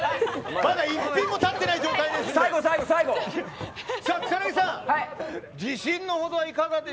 まだ１ピンも立ってない状態ですので。